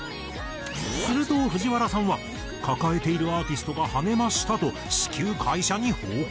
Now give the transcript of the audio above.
すると藤原さんは「抱えているアーティストが跳ねました！」と至急会社に報告。